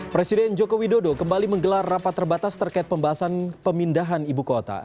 presiden joko widodo kembali menggelar rapat terbatas terkait pembahasan pemindahan ibu kota